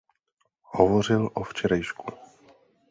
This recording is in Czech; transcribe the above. Hovořil o včerejšku.